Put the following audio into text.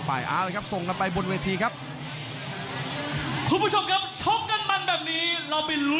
และรวรรณซูเปอร์ไฟเตอร์หรือไม่